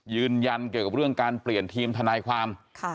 ยืนยันเกี่ยวการเปลี่ยนทีมทนายความ